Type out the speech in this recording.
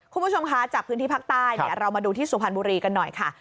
คุณผู้ชมคะจากพื้นที่ภาคใต้เรามาดูที่สุพรรณบุรีกันหน่อยค่ะ